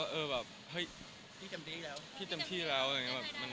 เรื่อยครับแล้วก็เข้าไปอ่านบ้างไม่อ่านบ้าง